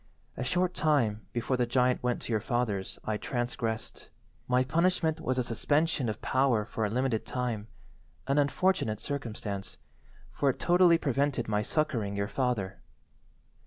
A short time before the giant went to your father's I transgressed. My punishment was a suspension of power for a limited time—an unfortunate circumstance—for it totally prevented my succouring your father.